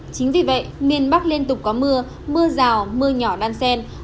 chính vì vậy miền bắc liên tục có mưa mưa rào mưa nhỏ đan sen